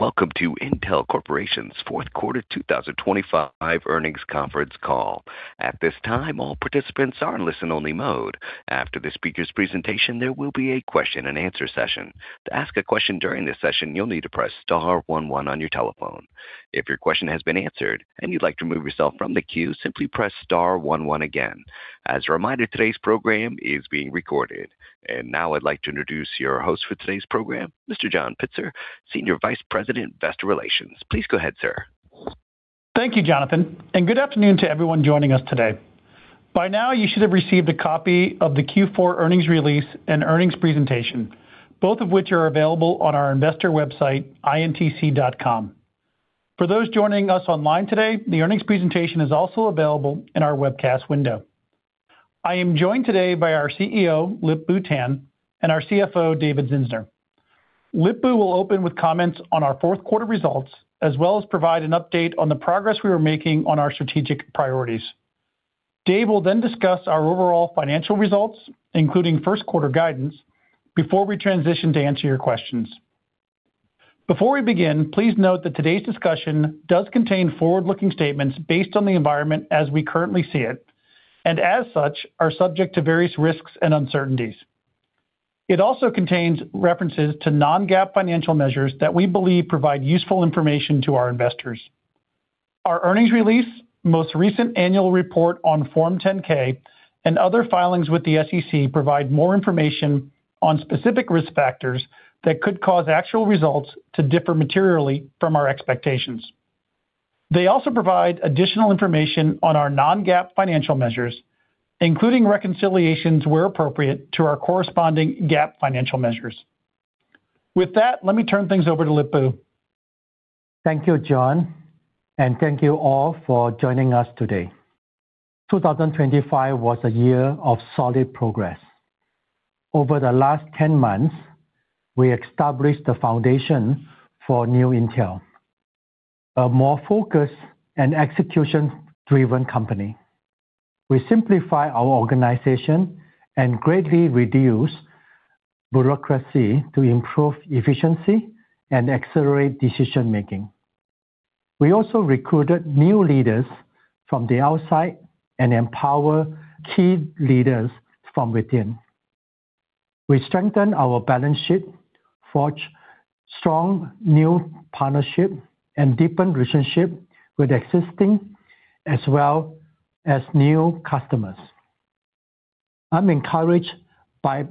Welcome to Intel Corp's Fourth Quarter 2025 Earnings Conference Call. At this time, all participants are in listen-only mode. After the speaker's presentation, there will be a question-and-answer session. To ask a question during this session, you'll need to press star one one on your telephone. If your question has been answered and you'd like to remove yourself from the queue, simply press star one one again. As a reminder, today's program is being recorded. Now I'd like to introduce your host for today's program, Mr. John Pitzer, Senior Vice President, Investor Relations. Please go ahead, sir. Thank you, Jonathan, and good afternoon to everyone joining us today. By now, you should have received a copy of the Q4 earnings release and earnings presentation, both of which are available on our investor website, intc.com. For those joining us online today, the earnings presentation is also available in our webcast window. I am joined today by our CEO, Lip-Bu Tan, and our CFO, David Zinsner. Lip-Bu will open with comments on our fourth quarter results, as well as provide an update on the progress we are making on our strategic priorities. Dave will then discuss our overall financial results, including first quarter guidance, before we transition to answer your questions. Before we begin, please note that today's discussion does contain forward-looking statements based on the environment as we currently see it, and as such, are subject to various risks and uncertainties. It also contains references to non-GAAP financial measures that we believe provide useful information to our investors. Our earnings release, most recent annual report on Form 10-K, and other filings with the SEC provide more information on specific risk factors that could cause actual results to differ materially from our expectations. They also provide additional information on our non-GAAP financial measures, including reconciliations where appropriate to our corresponding GAAP financial measures. With that, let me turn things over to Lip-Bu. Thank you, John, and thank you all for joining us today. 2025 was a year of solid progress. Over the last 10 months, we established the foundation for new Intel, a more focused and execution-driven company. We simplified our organization and greatly reduced bureaucracy to improve efficiency and accelerate decision-making. We also recruited new leaders from the outside and empowered key leaders from within. We strengthened our balance sheet, forged strong new partnerships, and deepened relationships with existing as well as new customers. I'm encouraged by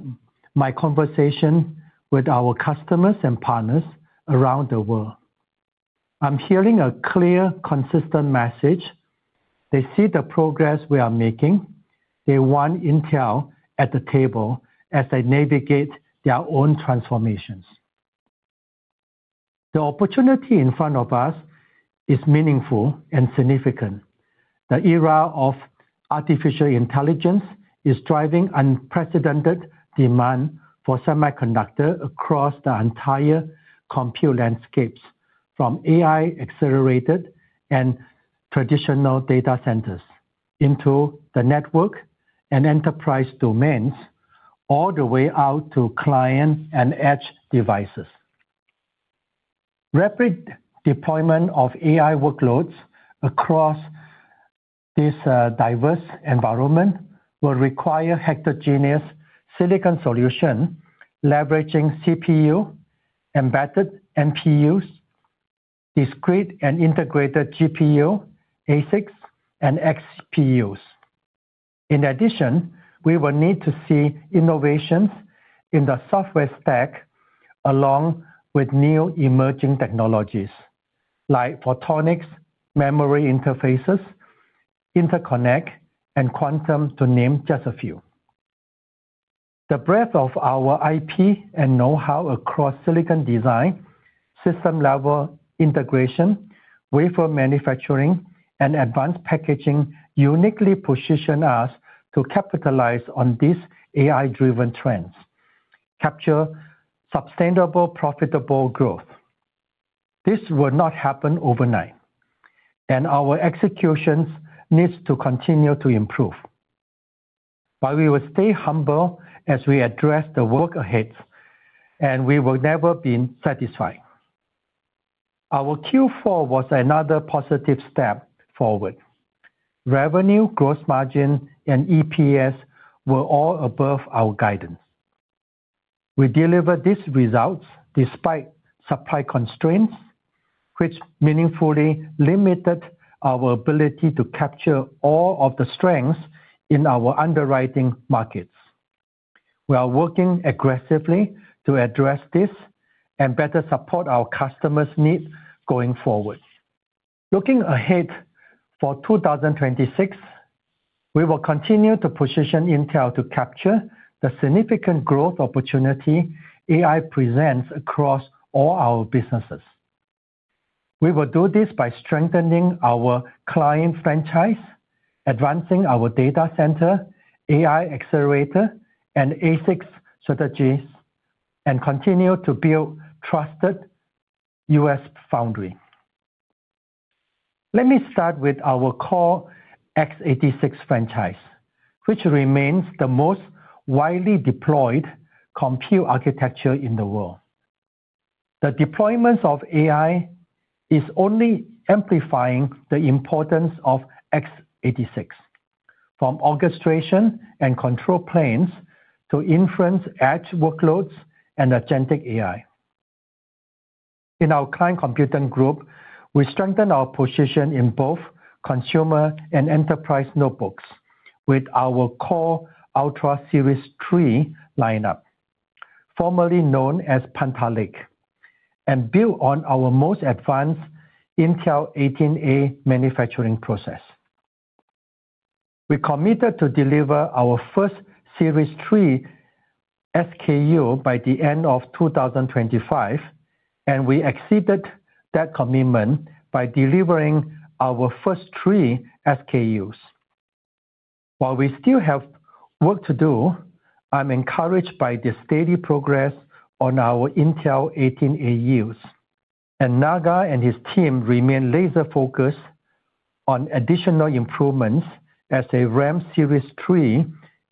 my conversation with our customers and partners around the world. I'm hearing a clear, consistent message. They see the progress we are making. They want Intel at the table as they navigate their own transformations. The opportunity in front of us is meaningful and significant. The era of artificial intelligence is driving unprecedented demand for semiconductors across the entire compute landscapes, from AI-accelerated and traditional data centers into the network and enterprise domains, all the way out to client and edge devices. Rapid deployment of AI workloads across this diverse environment will require heterogeneous silicon solutions leveraging CPU, embedded NPUs, discrete and integrated GPU, ASICs, and XPUs. In addition, we will need to see innovations in the software stack along with new emerging technologies like photonics, memory interfaces, interconnect, and quantum to name just a few. The breadth of our IP and know-how across silicon design, system-level integration, wafer manufacturing, and advanced packaging uniquely position us to capitalize on these AI-driven trends, capture sustainable, profitable growth. This will not happen overnight, and our executions need to continue to improve. But we will stay humble as we address the work ahead, and we will never be satisfied. Our Q4 was another positive step forward. Revenue, gross margin, and EPS were all above our guidance. We delivered these results despite supply constraints, which meaningfully limited our ability to capture all of the strengths in our underwriting markets. We are working aggressively to address this and better support our customers' needs going forward. Looking ahead for 2026, we will continue to position Intel to capture the significant growth opportunity AI presents across all our businesses. We will do this by strengthening our client franchise, advancing our data center, AI accelerator, and ASIC strategies, and continue to build trusted U.S. foundry. Let me start with our core x86 franchise, which remains the most widely deployed compute architecture in the world. The deployment of AI is only amplifying the importance of x86, from orchestration and control planes to inference edge workloads and agentic AI. In our Client Computing Group, we strengthen our position in both consumer and enterprise notebooks with our Core Ultra Series 3 lineup, formerly known as Panther Lake, and build on our most advanced Intel 18A manufacturing process. We committed to deliver our first Series 3 SKU by the end of 2025, and we exceeded that commitment by delivering our first three SKUs. While we still have work to do, I'm encouraged by the steady progress on our Intel 18A use, and Naga and his team remain laser-focused on additional improvements as they ramp Series 3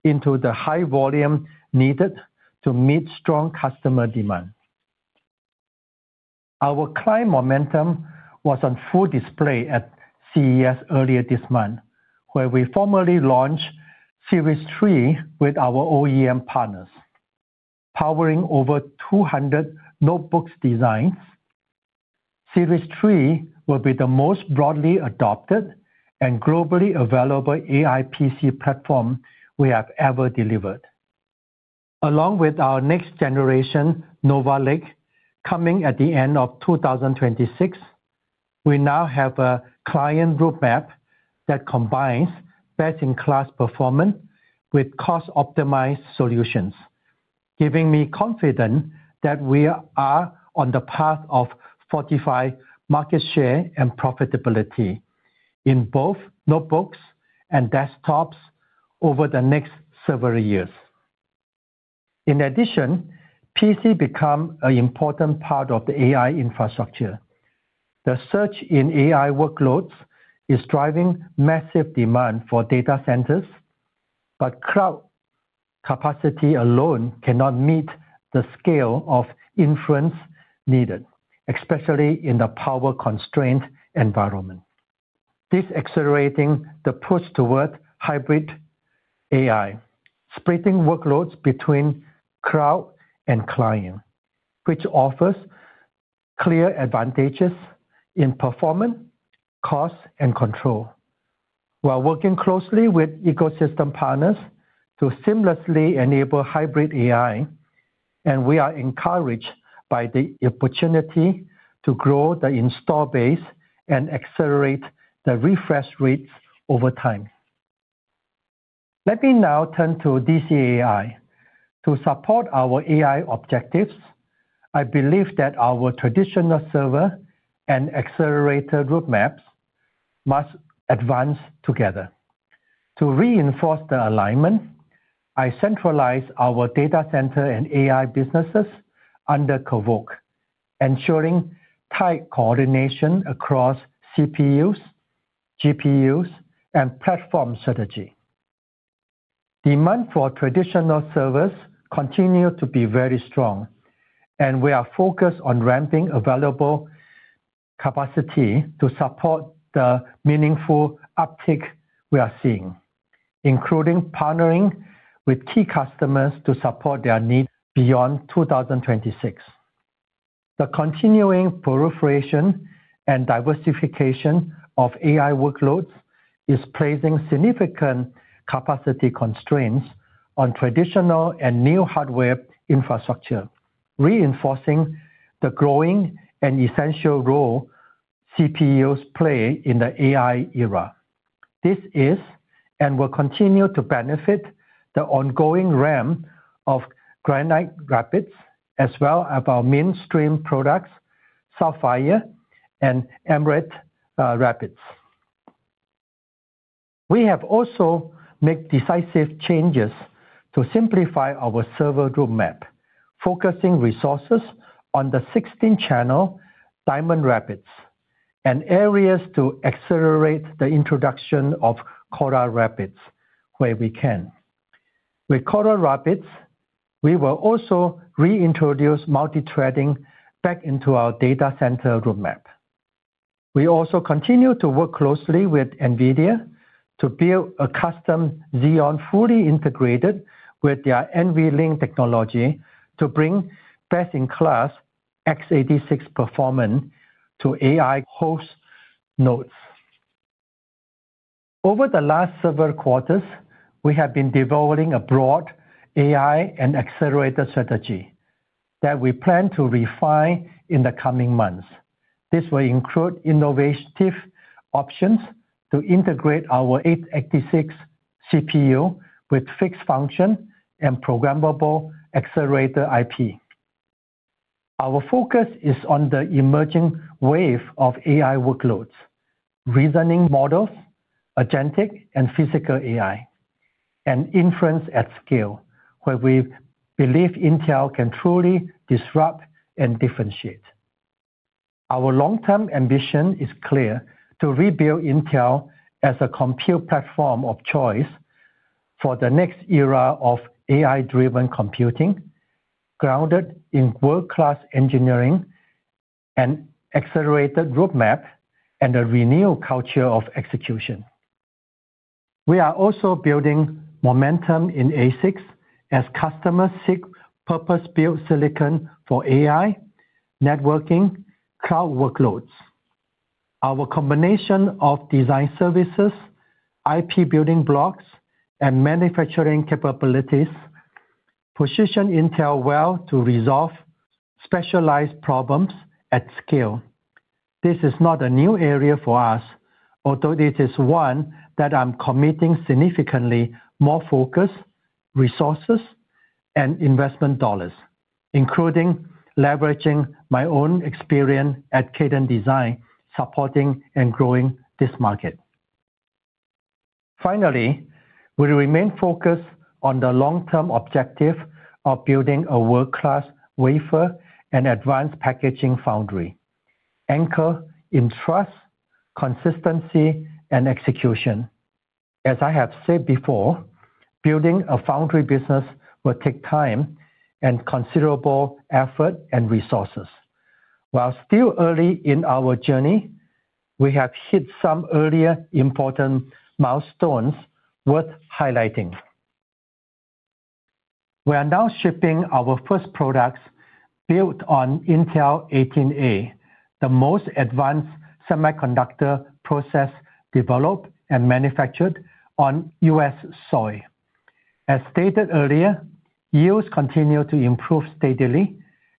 into the high volume needed to meet strong customer demand. Our client momentum was on full display at CES earlier this month, where we formally launched Series 3 with our OEM partners, powering over 200 notebook designs. Series 3 will be the most broadly adopted and globally available AI PC platform we have ever delivered. Along with our next-generation Nova Lake coming at the end of 2026, we now have a client roadmap that combines best-in-class performance with cost-optimized solutions, giving me confidence that we are on the path of fortifying market share and profitability in both notebooks and desktops over the next several years. In addition, PC becomes an important part of the AI infrastructure. The surge in AI workloads is driving massive demand for data centers, but cloud capacity alone cannot meet the scale of inference needed, especially in the power-constrained environment. This accelerates the push toward hybrid AI, splitting workloads between cloud and client, which offers clear advantages in performance, cost, and control. We are working closely with ecosystem partners to seamlessly enable hybrid AI, and we are encouraged by the opportunity to grow the install base and accelerate the refresh rates over time. Let me now turn to DCAI. To support our AI objectives, I believe that our traditional server and accelerator roadmaps must advance together. To reinforce the alignment, I am centralizing our data center and AI businesses under one leader, ensuring tight coordination across CPUs, GPUs, and platform strategy. Demand for traditional servers continues to be very strong, and we are focused on ramping available capacity to support the meaningful uptick we are seeing, including partnering with key customers to support their needs beyond 2026. The continuing proliferation and diversification of AI workloads is placing significant capacity constraints on traditional and new hardware infrastructure, reinforcing the growing and essential role CPUs play in the AI era. This is and will continue to benefit the ongoing ramp of Granite Rapids, as well as our mainstream products, Sapphire Rapids and Emerald Rapids. We have also made decisive changes to simplify our server roadmap, focusing resources on the 16-channel Diamond Rapids and areas to accelerate the introduction of Coral Rapids where we can. With Coral Rapids, we will also reintroduce multithreading back into our data center roadmap. We also continue to work closely with NVIDIA to build a custom Xeon fully integrated with their NVLink technology to bring best-in-class x86 performance to AI host nodes. Over the last several quarters, we have been developing a broad AI and accelerator strategy that we plan to refine in the coming months. This will include innovative options to integrate our x86 CPU with fixed function and programmable accelerator IP. Our focus is on the emerging wave of AI workloads: reasoning models, agentic, and physical AI, and inference at scale, where we believe Intel can truly disrupt and differentiate. Our long-term ambition is clear: to rebuild Intel as a compute platform of choice for the next era of AI-driven computing, grounded in world-class engineering and accelerated roadmap, and a renewed culture of execution. We are also building momentum in ASICs as customers seek purpose-built silicon for AI, networking, and cloud workloads. Our combination of design services, IP building blocks, and manufacturing capabilities positions Intel well to resolve specialized problems at scale. This is not a new area for us, although it is one that I'm committing significantly more focused resources and investment dollars, including leveraging my own experience at Cadence Design, supporting and growing this market. Finally, we remain focused on the long-term objective of building a world-class wafer and advanced packaging foundry, anchored in trust, consistency, and execution. As I have said before, building a foundry business will take time and considerable effort and resources. While still early in our journey, we have hit some earlier important milestones worth highlighting. We are now shipping our first products built on Intel 18A, the most advanced semiconductor process developed and manufactured on U.S. soil. As stated earlier, yields continue to improve steadily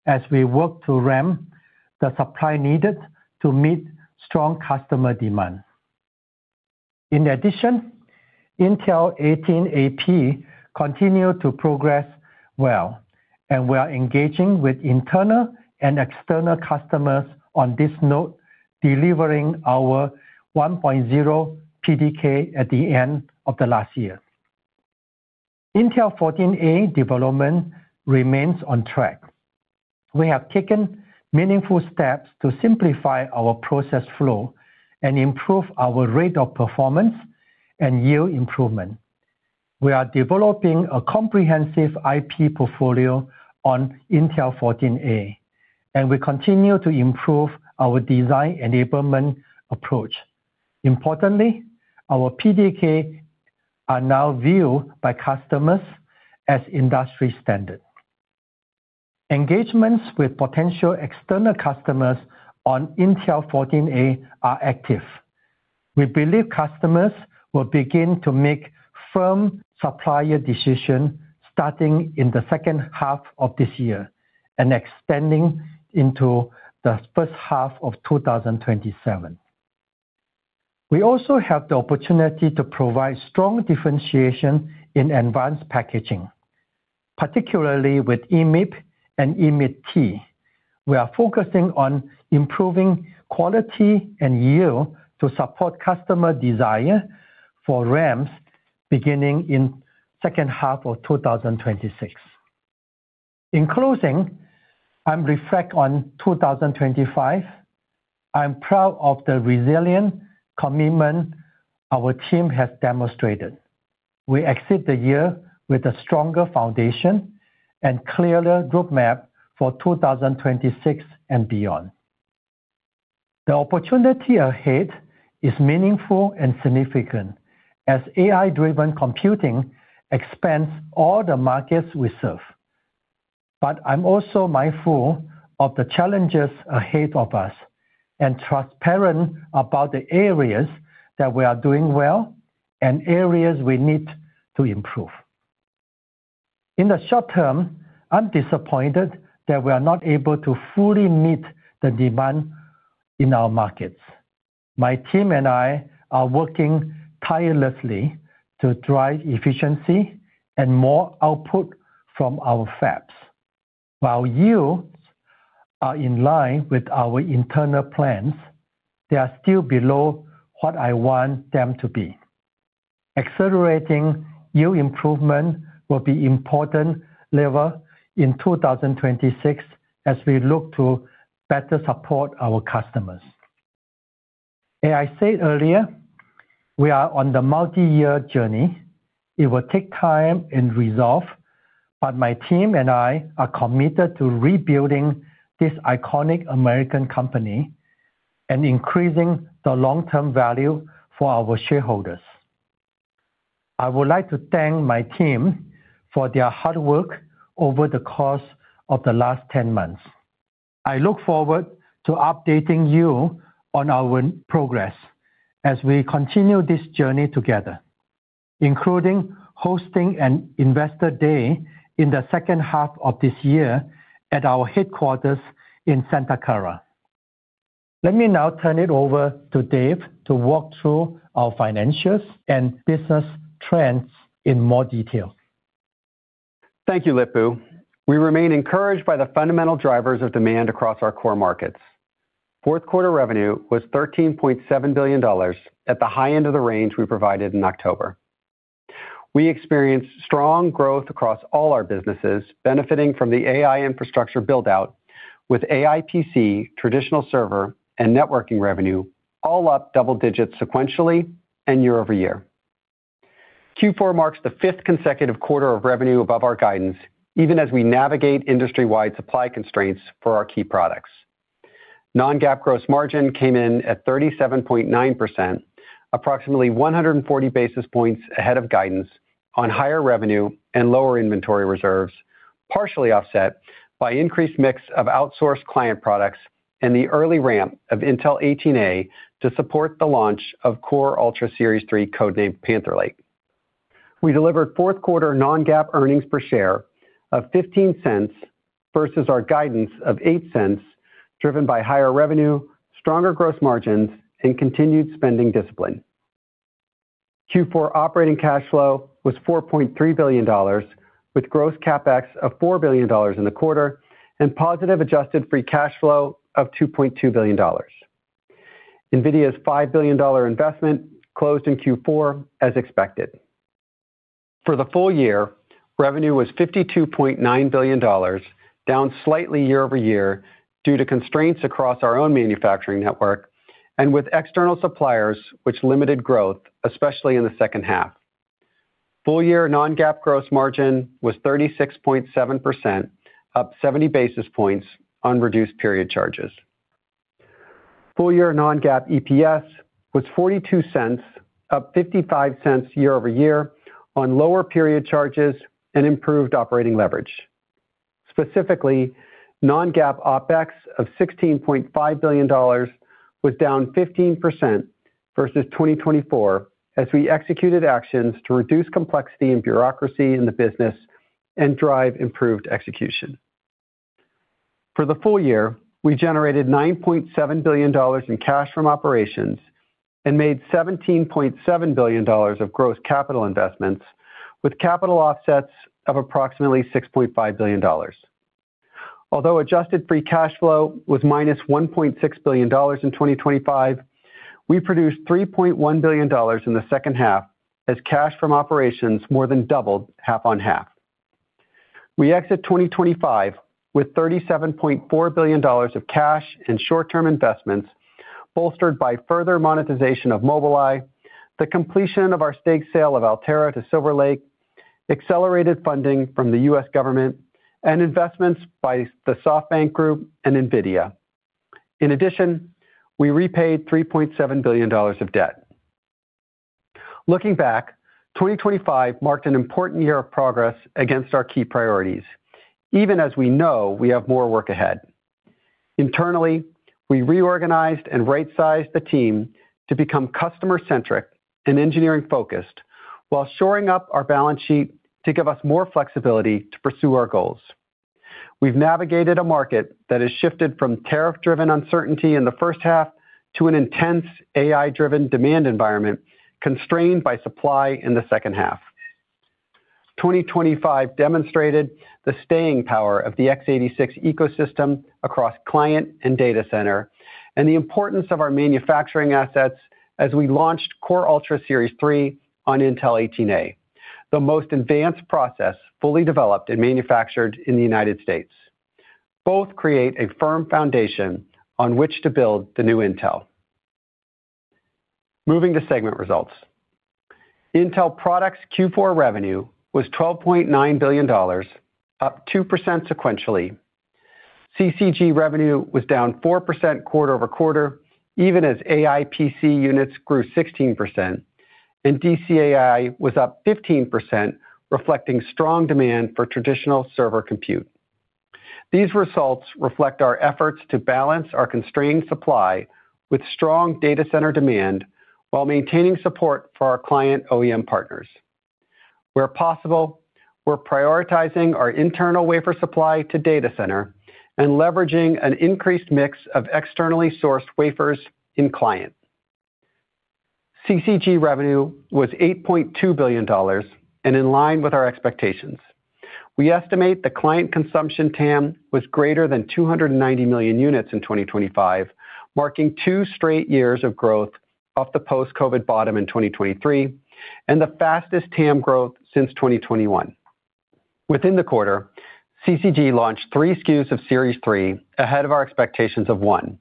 as we work to ramp the supply needed to meet strong customer demand. In addition, Intel 18AP continues to progress well, and we are engaging with internal and external customers on this node, delivering our 1.0 PDK at the end of the last year. Intel 14A development remains on track. We have taken meaningful steps to simplify our process flow and improve our rate of performance and yield improvement. We are developing a comprehensive IP portfolio on Intel 14A, and we continue to improve our design enablement approach. Importantly, our PDKs are now viewed by customers as industry standard. Engagements with potential external customers on Intel 14A are active. We believe customers will begin to make firm supplier decisions starting in the second half of this year and extending into the first half of 2027. We also have the opportunity to provide strong differentiation in advanced packaging, particularly with EMIB and EMIB-T. We are focusing on improving quality and yield to support customer ramps beginning in the second half of 2026. In closing, I'm reflecting on 2025. I'm proud of the resilience and commitment our team has demonstrated. We exit the year with a stronger foundation and clearer roadmap for 2026 and beyond. The opportunity ahead is meaningful and significant as AI-driven computing expands all the markets we serve. But I'm also mindful of the challenges ahead of us and transparent about the areas that we are doing well and areas we need to improve. In the short term, I'm disappointed that we are not able to fully meet the demand in our markets. My team and I are working tirelessly to drive efficiency and more output from our fabs. While yields are in line with our internal plans, they are still below what I want them to be. Accelerating yield improvement will be an important lever in 2026 as we look to better support our customers. As I said earlier, we are on the multi-year journey. It will take time and resolve, but my team and I are committed to rebuilding this iconic American company and increasing the long-term value for our shareholders. I would like to thank my team for their hard work over the course of the last 10 months. I look forward to updating you on our progress as we continue this journey together, including hosting an Investor Day in the second half of this year at our headquarters in Santa Clara. Let me now turn it over to Dave to walk through our financials and business trends in more detail. Thank you, Lip-Bu Tan. We remain encouraged by the fundamental drivers of demand across our core markets. Fourth quarter revenue was $13.7 billion at the high end of the range we provided in October. We experienced strong growth across all our businesses, benefiting from the AI infrastructure build-out, with AI PC, traditional server, and networking revenue all up double digits sequentially and year-over-year. Q4 marks the fifth consecutive quarter of revenue above our guidance, even as we navigate industry-wide supply constraints for our key products. Non-GAAP gross margin came in at 37.9%, approximately 140 basis points ahead of guidance on higher revenue and lower inventory reserves, partially offset by an increased mix of outsourced client products and the early ramp of Intel 18A to support the launch of Core Ultra Series 3, codenamed Panther Lake. We delivered fourth quarter non-GAAP earnings per share of $0.15 versus our guidance of $0.08, driven by higher revenue, stronger gross margins, and continued spending discipline. Q4 operating cash flow was $4.3 billion, with gross CapEx of $4 billion in the quarter and positive adjusted free cash flow of $2.2 billion. NVIDIA's $5 billion investment closed in Q4 as expected. For the full year, revenue was $52.9 billion, down slightly year-over-year due to constraints across our own manufacturing network and with external suppliers, which limited growth, especially in the second half. Full year Non-GAAP gross margin was 36.7%, up 70 basis points on reduced period charges. Full year Non-GAAP EPS was $0.42, up $0.55 year-over-year on lower period charges and improved operating leverage. Specifically, Non-GAAP OpEx of $16.5 billion was down 15% versus 2024, as we executed actions to reduce complexity and bureaucracy in the business and drive improved execution. For the full year, we generated $9.7 billion in cash from operations and made $17.7 billion of gross capital investments, with capital offsets of approximately $6.5 billion. Although adjusted free cash flow was -$1.6 billion in 2025, we produced $3.1 billion in the second half, as cash from operations more than doubled half on half. We exit 2025 with $37.4 billion of cash and short-term investments bolstered by further monetization of Mobileye, the completion of our stake sale of Altera to Silver Lake, accelerated funding from the U.S. government, and investments by the SoftBank Group and NVIDIA. In addition, we repaid $3.7 billion of debt. Looking back, 2025 marked an important year of progress against our key priorities, even as we know we have more work ahead. Internally, we reorganized and right-sized the team to become customer-centric and engineering-focused, while shoring up our balance sheet to give us more flexibility to pursue our goals. We've navigated a market that has shifted from tariff-driven uncertainty in the first half to an intense AI-driven demand environment constrained by supply in the second half. 2025 demonstrated the staying power of the x86 ecosystem across client and data center, and the importance of our manufacturing assets as we launched Core Ultra Series 3 on Intel 18A, the most advanced process fully developed and manufactured in the United States. Both create a firm foundation on which to build the new Intel. Moving to segment results, Intel Products' Q4 revenue was $12.9 billion, up 2% sequentially. CCG revenue was down 4% quarter-over-quarter, even as AI PC units grew 16%, and DCAI was up 15%, reflecting strong demand for traditional server compute. These results reflect our efforts to balance our constrained supply with strong data center demand while maintaining support for our client OEM partners. Where possible, we're prioritizing our internal wafer supply to data center and leveraging an increased mix of externally sourced wafers in client. CCG revenue was $8.2 billion, and in line with our expectations. We estimate the client consumption TAM was greater than 290 million units in 2025, marking two straight years of growth off the post-COVID bottom in 2023 and the fastest TAM growth since 2021. Within the quarter, CCG launched three SKUs of Series 3 ahead of our expectations of one.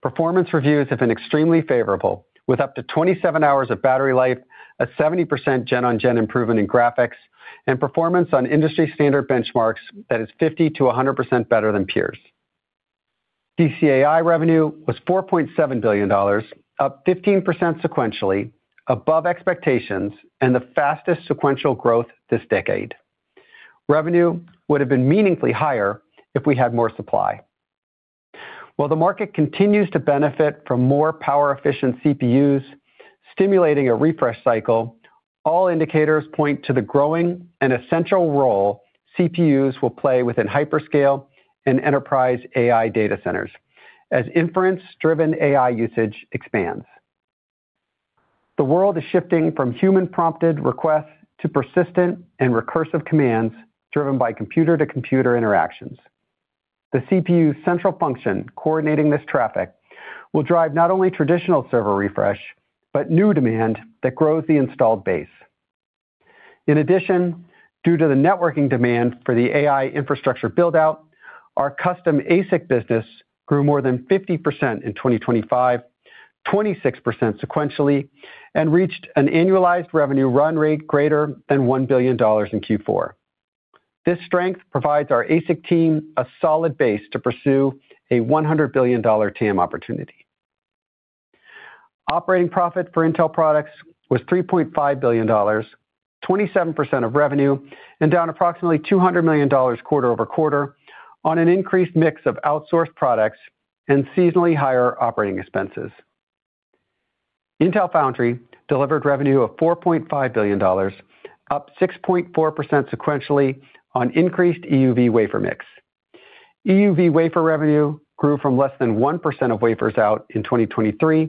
Performance reviews have been extremely favorable, with up to 27 hours of battery life, a 70% gen-on-gen improvement in graphics, and performance on industry-standard benchmarks that is 50%-100% better than peers. DCAI revenue was $4.7 billion, up 15% sequentially, above expectations and the fastest sequential growth this decade. Revenue would have been meaningfully higher if we had more supply. While the market continues to benefit from more power-efficient CPUs, stimulating a refresh cycle, all indicators point to the growing and essential role CPUs will play within hyperscale and enterprise AI data centers as inference-driven AI usage expands. The world is shifting from human-prompted requests to persistent and recursive commands driven by computer-to-computer interactions. The CPU's central function coordinating this traffic will drive not only traditional server refresh, but new demand that grows the installed base. In addition, due to the networking demand for the AI infrastructure build-out, our custom ASIC business grew more than 50% in 2025, 26% sequentially, and reached an annualized revenue run rate greater than $1 billion in Q4. This strength provides our ASIC team a solid base to pursue a $100 billion TAM opportunity. Operating profit for Intel Products was $3.5 billion, 27% of revenue, and down approximately $200 million quarter-over-quarter on an increased mix of outsourced products and seasonally higher operating expenses. Intel Foundry delivered revenue of $4.5 billion, up 6.4% sequentially on increased EUV wafer mix. EUV wafer revenue grew from less than 1% of wafers out in 2023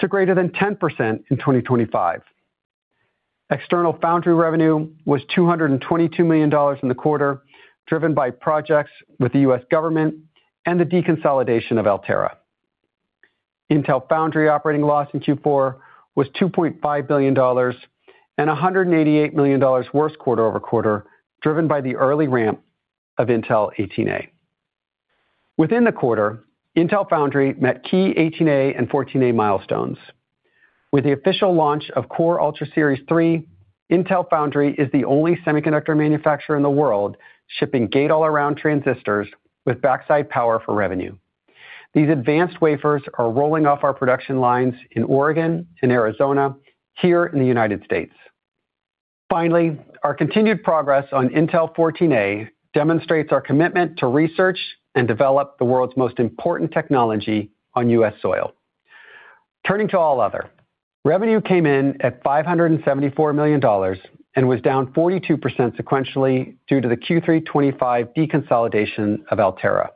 to greater than 10% in 2025. External foundry revenue was $222 million in the quarter, driven by projects with the U.S. government and the deconsolidation of Altera. Intel Foundry operating loss in Q4 was $2.5 billion and $188 million worse quarter-over-quarter, driven by the early ramp of Intel 18A. Within the quarter, Intel Foundry met key 18A and 14A milestones. With the official launch of Core Ultra Series 3, Intel Foundry is the only semiconductor manufacturer in the world shipping gate-all-around transistors with backside power for revenue. These advanced wafers are rolling off our production lines in Oregon and Arizona, here in the United States. Finally, our continued progress on Intel 14A demonstrates our commitment to research and develop the world's most important technology on U.S. soil. Turning to All Other, revenue came in at $574 million and was down 42% sequentially due to the Q3 2025 deconsolidation of Altera.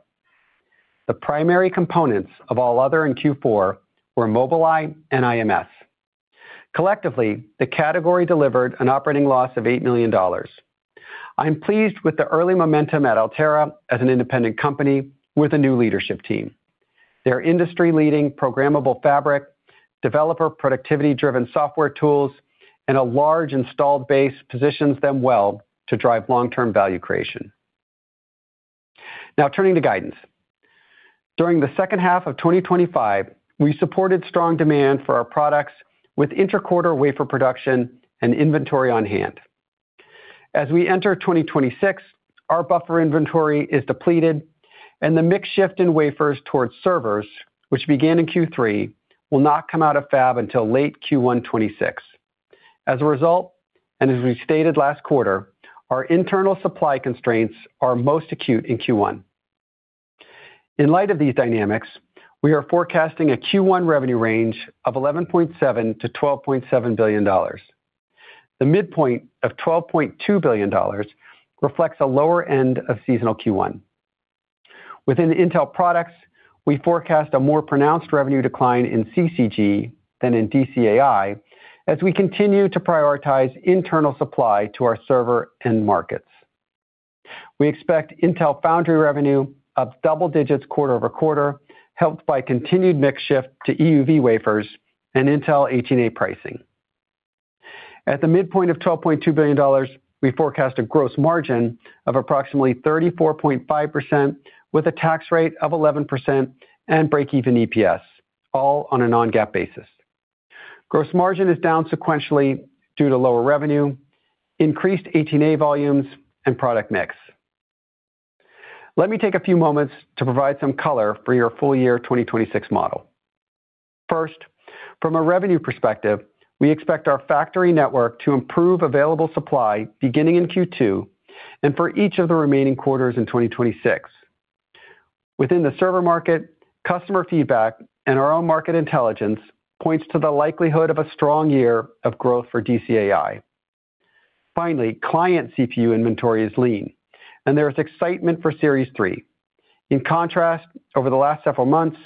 The primary components of All Other in Q4 were Mobileye and IMS. Collectively, the category delivered an operating loss of $8 million. I'm pleased with the early momentum at Altera as an independent company with a new leadership team. Their industry-leading programmable fabric, developer productivity-driven software tools, and a large installed base positions them well to drive long-term value creation. Now, turning to guidance. During the second half of 2025, we supported strong demand for our products with interquarter wafer production and inventory on hand. As we enter 2026, our buffer inventory is depleted, and the mix shift in wafers towards servers, which began in Q3, will not come out of fab until late Q1 2026. As a result, and as we stated last quarter, our internal supply constraints are most acute in Q1. In light of these dynamics, we are forecasting a Q1 revenue range of $11.7 billion-$12.7 billion. The midpoint of $12.2 billion reflects a lower end of seasonal Q1. Within Intel Products, we forecast a more pronounced revenue decline in CCG than in DCAI as we continue to prioritize internal supply to our server and markets. We expect Intel Foundry revenue of double digits quarter-over-quarter, helped by continued mix shift to EUV wafers and Intel 18A pricing. At the midpoint of $12.2 billion, we forecast a gross margin of approximately 34.5% with a tax rate of 11% and break-even EPS, all on a non-GAAP basis. Gross margin is down sequentially due to lower revenue, increased 18A volumes, and product mix. Let me take a few moments to provide some color for your full year 2026 model. First, from a revenue perspective, we expect our factory network to improve available supply beginning in Q2 and for each of the remaining quarters in 2026. Within the server market, customer feedback and our own market intelligence points to the likelihood of a strong year of growth for DCAI. Finally, client CPU inventory is lean, and there is excitement for Series 3. In contrast, over the last several months,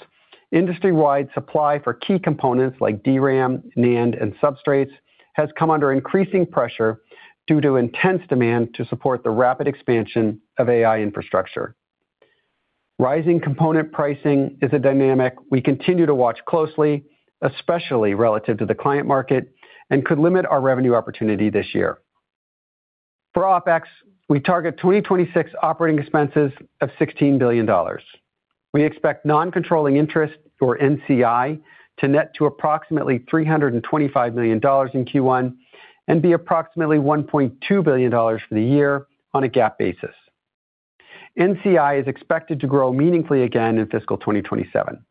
industry-wide supply for key components like DRAM, NAND, and substrates has come under increasing pressure due to intense demand to support the rapid expansion of AI infrastructure. Rising component pricing is a dynamic we continue to watch closely, especially relative to the client market, and could limit our revenue opportunity this year. For OpEx, we target 2026 operating expenses of $16 billion. We expect non-controlling interest, or NCI, to net to approximately $325 million in Q1 and be approximately $1.2 billion for the year on a GAAP basis. NCI is expected to grow meaningfully again in fiscal 2027.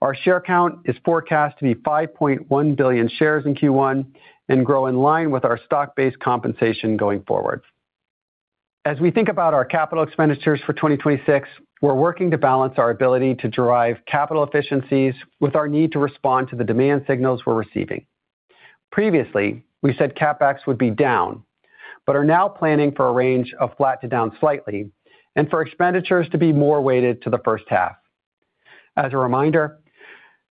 Our share count is forecast to be 5.1 billion shares in Q1 and grow in line with our stock-based compensation going forward. As we think about our capital expenditures for 2026, we're working to balance our ability to drive capital efficiencies with our need to respond to the demand signals we're receiving. Previously, we said CapEx would be down, but are now planning for a range of flat to down slightly, and for expenditures to be more weighted to the first half. As a reminder,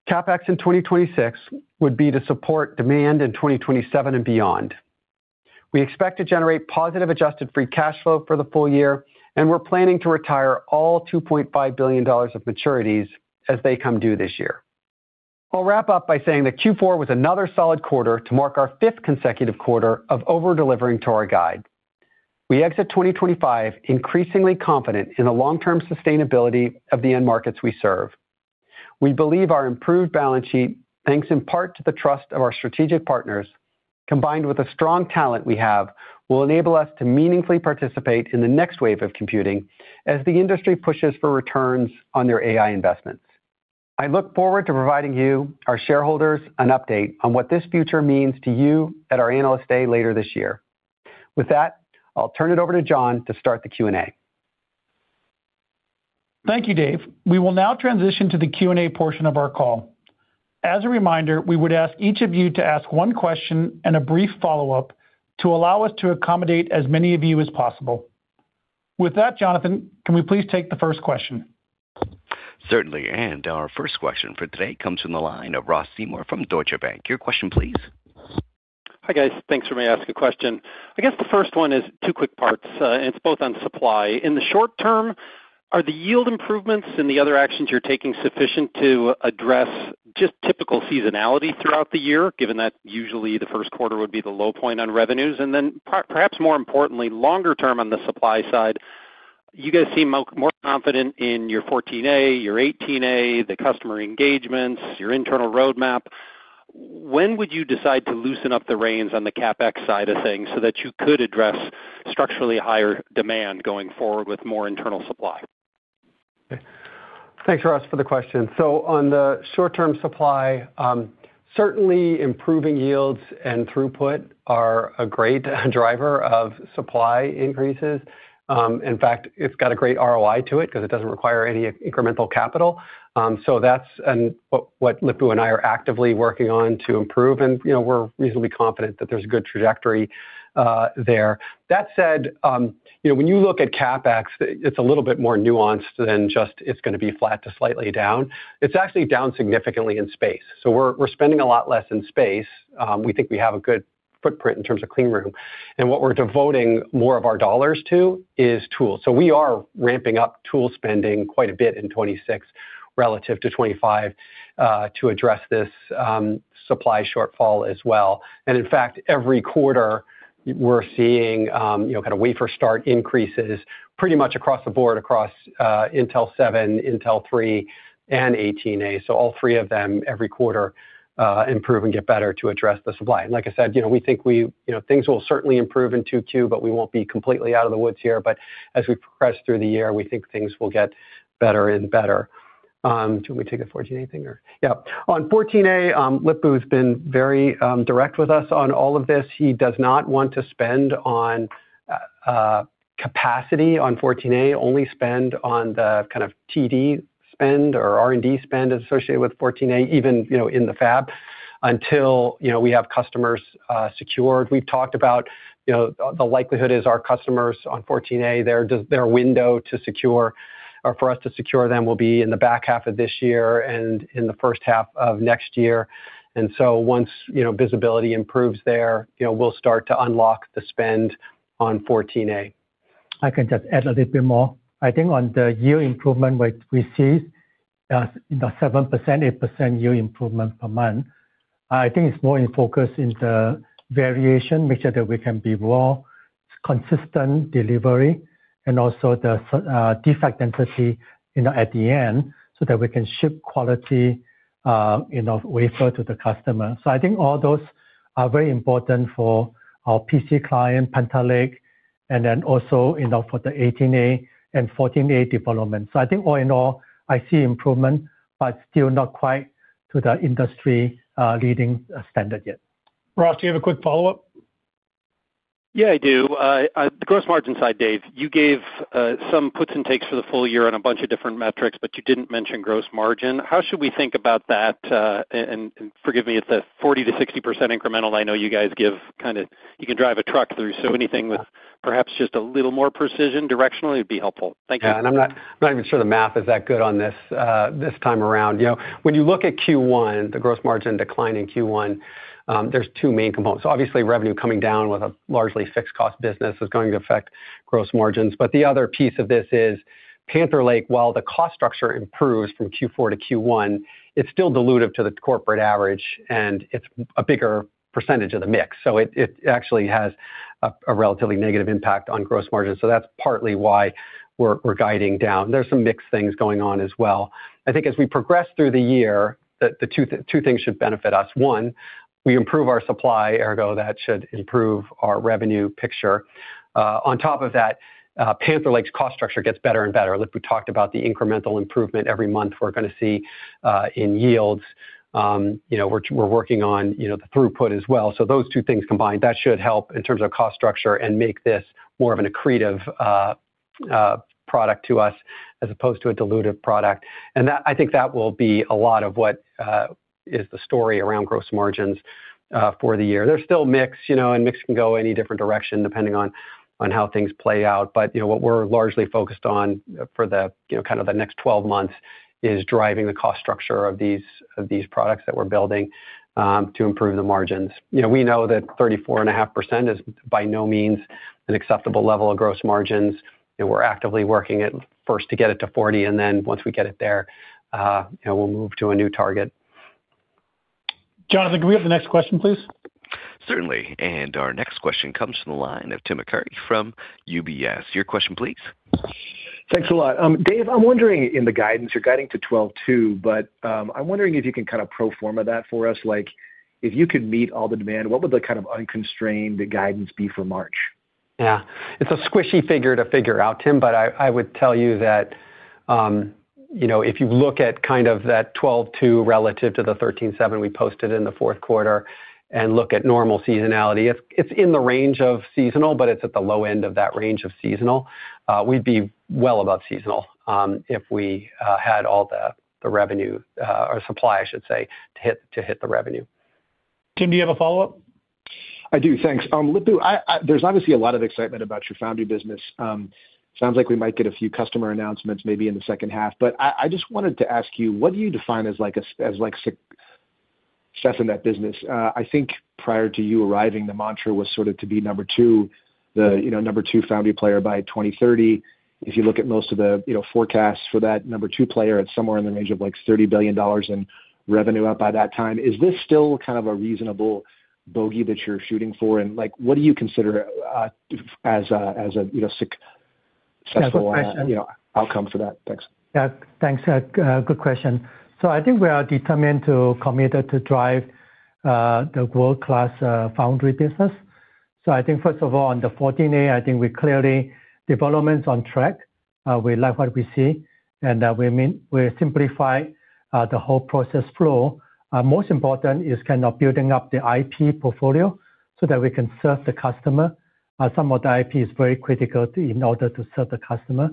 CapEx in 2026 would be to support demand in 2027 and beyond. We expect to generate positive adjusted free cash flow for the full year, and we're planning to retire all $2.5 billion of maturities as they come due this year. I'll wrap up by saying that Q4 was another solid quarter to mark our fifth consecutive quarter of over-delivering to our guide. We exit 2025 increasingly confident in the long-term sustainability of the end markets we serve. We believe our improved balance sheet, thanks in part to the trust of our strategic partners, combined with the strong talent we have, will enable us to meaningfully participate in the next wave of computing as the industry pushes for returns on their AI investments. I look forward to providing you, our shareholders, an update on what this future means to you at our Analyst Day later this year. With that, I'll turn it over to John to start the Q&A. Thank you, Dave. We will now transition to the Q&A portion of our call. As a reminder, we would ask each of you to ask one question and a brief follow-up to allow us to accommodate as many of you as possible. With that, Jonathan, can we please take the first question? Certainly, and our first question for today comes from the line of Ross Seymore from Deutsche Bank. Your question, please. Hi guys, thanks for taking my question. I guess the first one is two quick parts, and it's both on supply. In the short term, are the yield improvements and the other actions you're taking sufficient to address just typical seasonality throughout the year, given that usually the first quarter would be the low point on revenues, and then perhaps more importantly, longer term on the supply side? You guys seem more confident in your 14A, your 18A, the customer engagements, your internal roadmap. When would you decide to loosen up the reins on the CapEx side of things so that you could address structurally higher demand going forward with more internal supply? Thanks, Ross, for the question. So on the short-term supply, certainly improving yields and throughput are a great driver of supply increases. In fact, it's got a great ROI to it because it doesn't require any incremental capital, so that's what Lip-Bu and I are actively working on to improve, and we're reasonably confident that there's a good trajectory there. That said, when you look at CapEx, it's a little bit more nuanced than just it's going to be flat to slightly down. It's actually down significantly in space, so we're spending a lot less in space. We think we have a good footprint in terms of clean room, and what we're devoting more of our dollars to is tools, so we are ramping up tool spending quite a bit in 2026 relative to 2025 to address this supply shortfall as well, and in fact, every quarter, we're seeing kind of wafer start increases pretty much across the board across Intel 7, Intel 3, and 18A. So all three of them every quarter improve and get better to address the supply. And like I said, we think things will certainly improve in Q2, but we won't be completely out of the woods here. But as we progress through the year, we think things will get better and better. Can we take the 14A thing? Yeah. On 14A, Lip-Bu has been very direct with us on all of this. He does not want to spend on capacity on 14A, only spend on the kind of TD spend or R&D spend associated with 14A, even in the fab until we have customers secured. We've talked about the likelihood is our customers on 14A, their window to secure, or for us to secure them will be in the back half of this year and in the first half of next year. And so once visibility improves there, we'll start to unlock the spend on 14A. I can just add a little bit more. I think on the yield improvement, we see 7%, 8% yield improvement per month. I think it's more in focus in the variation, make sure that we can be more consistent delivery, and also the defect density at the end so that we can ship quality wafer to the customer. So I think all those are very important for our PC client, Panther Lake, and then also for the 18A and 14A development. So I think all in all, I see improvement, but still not quite to the industry leading standard yet. Ross, do you have a quick follow-up? Yeah, I do. The gross margin side, Dave, you gave some puts and takes for the full year on a bunch of different metrics, but you didn't mention gross margin. How should we think about that? And forgive me, it's a 40%-60% incremental. I know you guys give kind of you can drive a truck through. So anything with perhaps just a little more precision directionally would be helpful. Thank you. Yeah, and I'm not even sure the math is that good on this time around. When you look at Q1, the gross margin decline in Q1, there's two main components. Obviously, revenue coming down with a largely fixed cost business is going to affect gross margins. But the other piece of this is Panther Lake, while the cost structure improves from Q4 to Q1, it's still diluted to the corporate average, and it's a bigger percentage of the mix. So it actually has a relatively negative impact on gross margin. So that's partly why we're guiding down. There's some mixed things going on as well. I think as we progress through the year, the two things should benefit us. One, we improve our supply, ergo, that should improve our revenue picture. On top of that, Panther Lake's cost structure gets better and better. Lip-Bu talked about the incremental improvement every month we're going to see in yields. We're working on the throughput as well. So those two things combined, that should help in terms of cost structure and make this more of an accretive product to us as opposed to a diluted product. And I think that will be a lot of what is the story around gross margins for the year. They're still mixed, and mixed can go any different direction depending on how things play out. But what we're largely focused on for the kind of the next 12 months is driving the cost structure of these products that we're building to improve the margins. We know that 34.5% is by no means an acceptable level of gross margins. We're actively working at first to get it to 40%, and then once we get it there, we'll move to a new target. Jonathan, can we have the next question, please? Certainly. And our next question comes from the line of Tim Arcuri from UBS. Your question, please. Thanks a lot. Dave, I'm wondering in the guidance, you're guiding to 12/2, but I'm wondering if you can kind of pro forma that for us. If you could meet all the demand, what would the kind of unconstrained guidance be for March? Yeah. It's a squishy figure to figure out, Tim, but I would tell you that if you look at kind of that 12/2 relative to the 13/7 we posted in the fourth quarter and look at normal seasonality, it's in the range of seasonal, but it's at the low end of that range of seasonal. We'd be well above seasonal if we had all the revenue or supply, I should say, to hit the revenue. Tim, do you have a follow-up? I do. Thanks. Lip-Bu, there's obviously a lot of excitement about your foundry business. Sounds like we might get a few customer announcements maybe in the second half. But I just wanted to ask you, what do you define as like success in that business? I think prior to you arriving, the mantra was sort of to be number two, the number two foundry player by 2030. If you look at most of the forecasts for that number two player, it's somewhere in the range of like $30 billion in revenue out by that time. Is this still kind of a reasonable bogey that you're shooting for? And what do you consider as a successful outcome for that? Thanks. Thanks. Good question. So I think we are determined to commit to drive the world-class foundry business. So I think, first of all, on the 14A, I think we clearly development is on track. We like what we see, and we simplify the whole process flow. Most important is kind of building up the IP portfolio so that we can serve the customer. Some of the IP is very critical in order to serve the customer.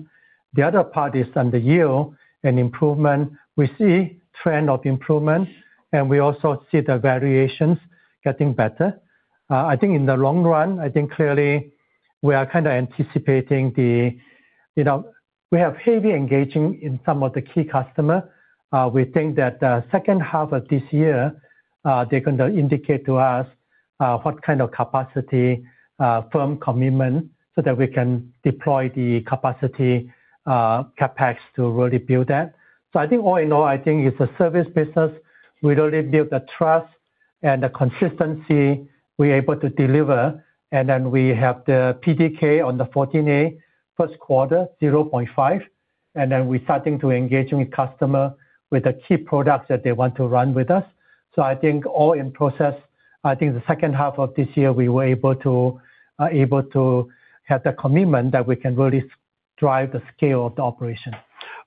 The other part is on the yield and improvement. We see trend of improvement, and we also see the variations getting better. I think in the long run, I think clearly we are kind of anticipating that we have heavy engagement in some of the key customers. We think that the second half of this year, they're going to indicate to us what kind of capacity, firm commitment, so that we can deploy the capacity CapEx to really build that. So I think all in all, I think it's a service business. We really build the trust and the consistency. We're able to deliver. And then we have the PDK on the 14A, first quarter, 0.5. And then we're starting to engage with customers with the key products that they want to run with us. So I think all in process, I think the second half of this year, we were able to have the commitment that we can really drive the scale of the operation.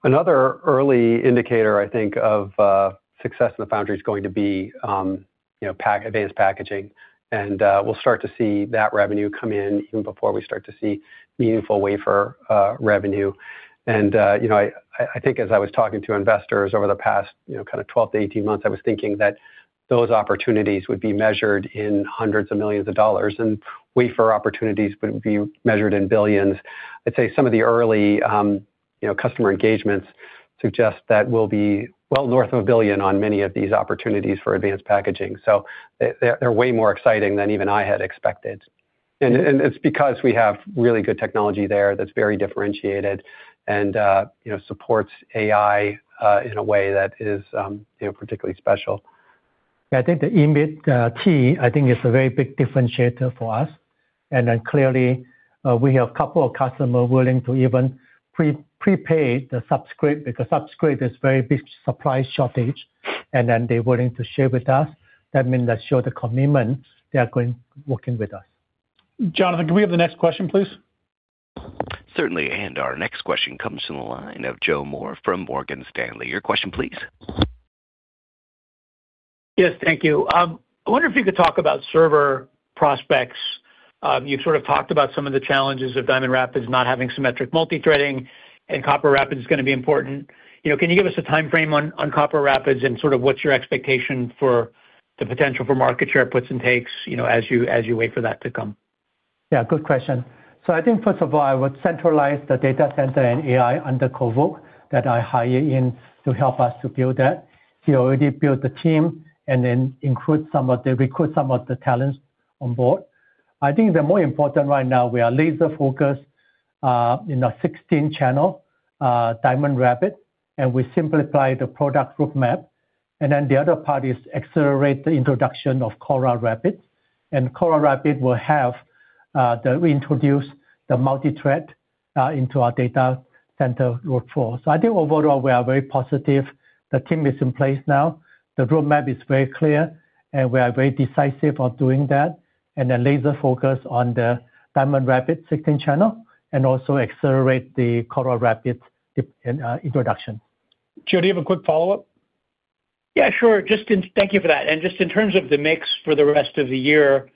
Another early indicator, I think, of success in the foundry is going to be advanced packaging. And we'll start to see that revenue come in even before we start to see meaningful wafer revenue. And I think as I was talking to investors over the past kind of 12 to 18 months, I was thinking that those opportunities would be measured in hundreds of millions of dollars, and wafer opportunities would be measured in billions. I'd say some of the early customer engagements suggest that we'll be well north of $1 billion on many of these opportunities for advanced packaging. So they're way more exciting than even I had expected. And it's because we have really good technology there that's very differentiated and supports AI in a way that is particularly special. Yeah, I think the EMIB team, I think it's a very big differentiator for us. And then clearly, we have a couple of customers willing to even prepay the subscription because subscription is very big supply shortage, and then they're willing to share with us. That means that share the commitment they are going to working with us. Jonathan, can we have the next question, please? Certainly. And our next question comes from the line of Joe Moore from Morgan Stanley. Your question, please. Yes, thank you. I wonder if you could talk about server prospects. You've sort of talked about some of the challenges of Diamond Rapids not having symmetric multi-threading, and Granite Rapids is going to be important. Can you give us a timeframe on Granite Rapids and sort of what's your expectation for the potential for market share, puts and takes as you wait for that to come? Yeah, good question. So I think first of all, I would centralize the data center and AI under Kevork that I hired in to help us to build that. He already built the team and then recruit some of the talents on board. I think the more important right now, we are laser-focused in a 16-channel Diamond Rapids, and we simplify the product roadmap. And then the other part is accelerate the introduction of Coral Rapids. And Coral Rapids will have the reintroduce the multi-thread into our data center workflow. So I think overall, we are very positive. The team is in place now. The roadmap is very clear, and we are very decisive on doing that. And then laser-focus on the Diamond Rapids 16-channel and also accelerate the Coral Rapids introduction. Joe, do you have a quick follow-up? Yeah, sure. Thank you for that. Just in terms of the mix for the rest of the year,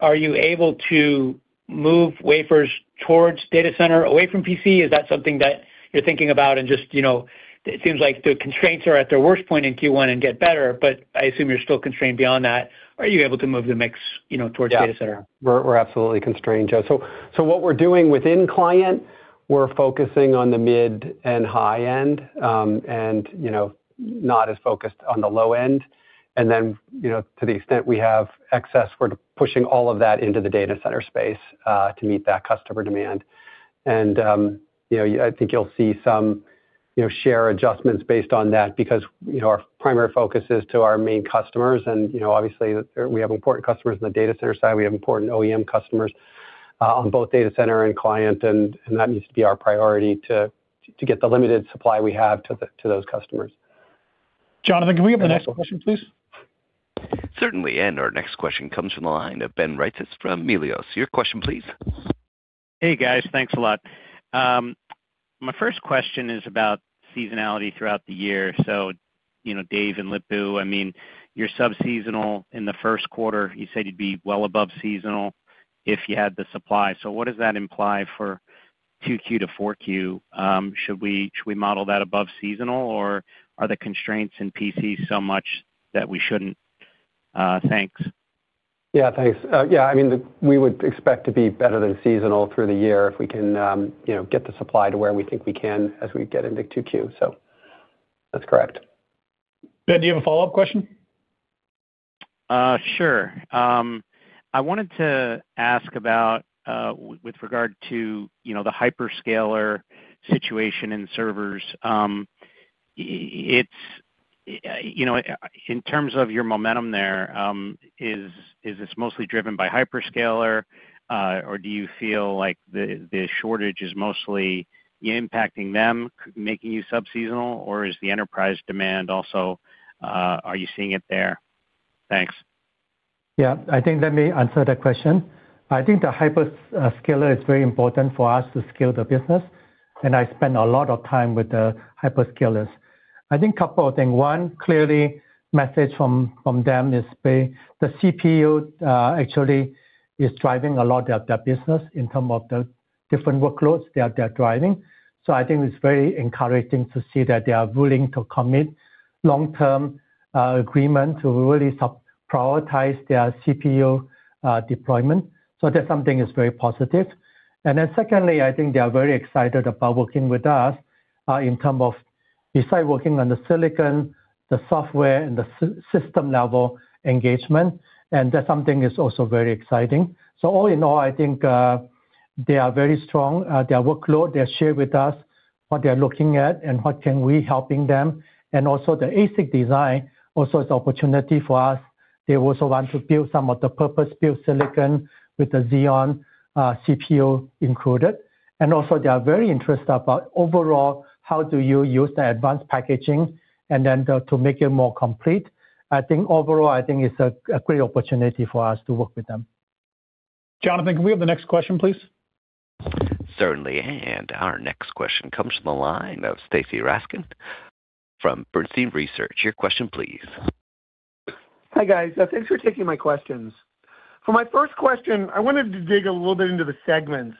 are you able to move wafers towards data center away from PC? Is that something that you're thinking about? And just, it seems like the constraints are at their worst point in Q1 and get better, but I assume you're still constrained beyond that. Are you able to move the mix towards data center? Yeah, we're absolutely constrained, Joe. So what we're doing within client, we're focusing on the mid and high end and not as focused on the low end. And then to the extent we have excess, we're pushing all of that into the data center space to meet that customer demand. And I think you'll see some share adjustments based on that because our primary focus is to our main customers. And obviously, we have important customers on the data center side. We have important OEM customers on both data center and client, and that needs to be our priority to get the limited supply we have to those customers. Jonathan, can we have the next question, please? Certainly. And our next question comes from the line of Ben Reitzes from Melius. Your question, please. Hey, guys. Thanks a lot. My first question is about seasonality throughout the year. So Dave and Lip-Bu, I mean, you're subseasonal in the first quarter. You said you'd be well above seasonal if you had the supply. So what does that imply for 2Q to 4Q? Should we model that above seasonal, or are the constraints in PC so much that we shouldn't? Thanks. Yeah, thanks. Yeah, I mean, we would expect to be better than seasonal through the year if we can get the supply to where we think we can as we get into 2Q. So that's correct. Ben, do you have a follow-up question? Sure. I wanted to ask about with regard to the hyperscaler situation in servers. In terms of your momentum there, is this mostly driven by hyperscaler, or do you feel like the shortage is mostly impacting them, making you subseasonal, or is the enterprise demand also are you seeing it there? Thanks. Yeah, I think that may answer that question. I think the hyperscaler is very important for us to scale the business, and I spend a lot of time with the hyperscalers. I think a couple of things. One clear message from them is the CPU actually is driving a lot of their business in terms of the different workloads they're driving. So I think it's very encouraging to see that they are willing to commit to a long-term agreement to really prioritize their CPU deployment. So that's something that's very positive. And then secondly, I think they are very excited about working with us in terms of besides working on the silicon, the software, and the system-level engagement. And that's something that's also very exciting. So all in all, I think they are very strong. They've shared with us their workload, what they're looking at and what we can help them with. And also the ASIC design is an opportunity for us. They also want to build some of the purpose-built silicon with the Xeon CPU included. And also they are very interested about overall, how do you use the advanced packaging and then to make it more complete? I think overall, I think it's a great opportunity for us to work with them. Jonathan, can we have the next question, please? Certainly. And our next question comes from the line of Stacy Rasgon from Bernstein Research. Your question, please. Hi guys. Thanks for taking my questions. For my first question, I wanted to dig a little bit into the segments.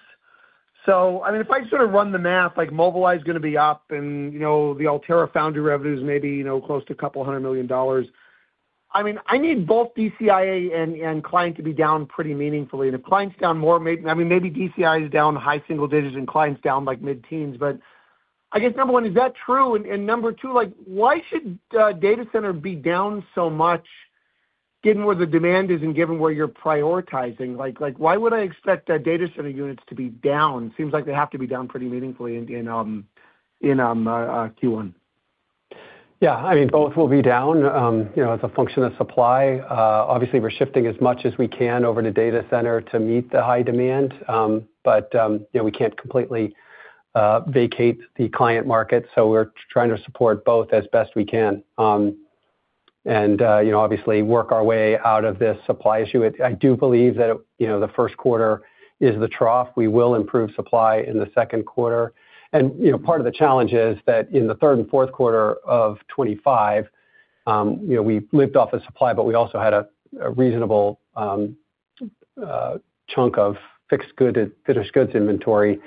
So I mean, if I sort of run the math, like Mobileye is going to be up and the Altera foundry revenues may be close to $200 million. I mean, I need both DCIA and client to be down pretty meaningfully. And if client's down more, I mean, maybe DCIA is down high single digits and client's down like mid-teens. But I guess number one, is that true? And number two, why should data center be down so much given where the demand is and given where you're prioritizing? Why would I expect data center units to be down? Seems like they have to be down pretty meaningfully in Q1. Yeah. I mean, both will be down as a function of supply. Obviously, we're shifting as much as we can over to data center to meet the high demand, but we can't completely vacate the client market. So we're trying to support both as best we can and obviously work our way out of this supply issue. I do believe that the first quarter is the trough. We will improve supply in the second quarter. Part of the challenge is that in the third and fourth quarter of 2025, we lived off of supply, but we also had a reasonable chunk of finished goods inventory